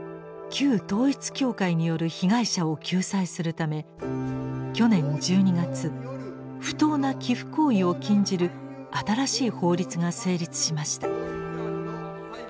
旧統一教会による被害者を救済するため去年１２月不当な寄附行為を禁じる新しい法律が成立しました。